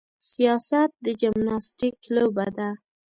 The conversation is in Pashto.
سیاست د جمناستیک لوبه ده.